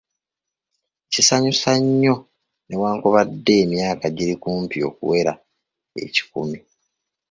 Kisanyusa nnyo, newakubadde emyaka giri kumpi okuwera ekikumi.